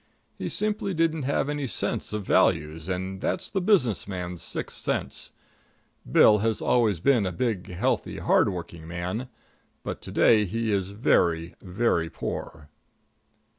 He simply didn't have any sense of values, and that's the business man's sixth sense. Bill has always been a big, healthy, hard working man, but to day he is very, very poor.